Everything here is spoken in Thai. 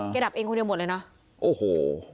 ดับเองคนเดียวหมดเลยนะโอ้โห